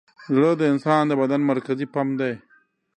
زړه د انسان د بدن مرکزي پمپ دی.